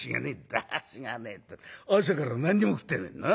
「『だらしがねえ』って朝から何にも食ってねえんだな。